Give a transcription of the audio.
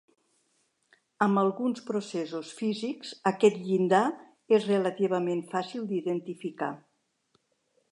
Amb alguns processos físics, aquest llindar és relativament fàcil d'identificar.